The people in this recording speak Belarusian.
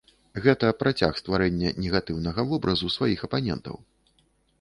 Гэта працяг стварэння негатыўнага вобразу сваіх апанентаў.